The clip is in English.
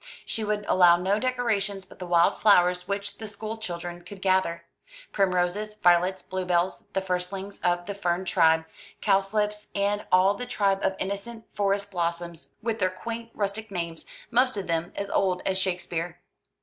She would allow no decorations but the wild flowers which the school children could gather. Primroses, violets, bluebells, the firstlings of the fern tribe, cowslips, and all the tribe of innocent forest blossoms, with their quaint rustic names, most of them as old as Shakespeare.